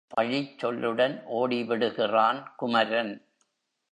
பழிச்சொல்லுடன் ஓடிவிடுகிறான் குமரன்.